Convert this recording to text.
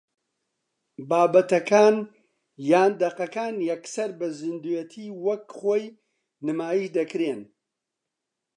بابەتەکان یان دەقەکان یەکسەر بە زیندووێتی و وەک خۆی نمایش دەکرێن